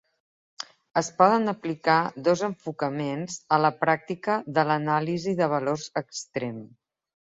Es poden aplicar dos enfocaments a la pràctica de l'anàlisi de valors extrem.